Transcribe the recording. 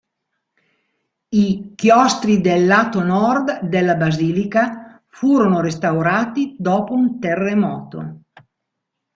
I chiostri del lato nord della basilica furono restaurati dopo un terremoto.